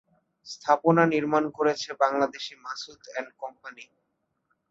স্থাপনা নির্মাণ করেছে বাংলাদেশী মাসুদ এন্ড কোম্পানি।